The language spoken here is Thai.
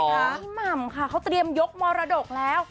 พี่หม่ำค่ะเขาเตรียมยกมรดกแล้ว